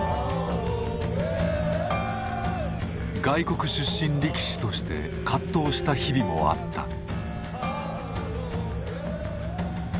外国出身力士として葛藤した日々もあった。